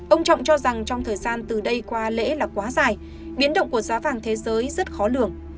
ông trọng cho rằng trong thời gian từ đây qua lễ là quá dài biến động của giá vàng thế giới rất khó lường